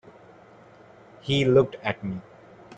He looked at me.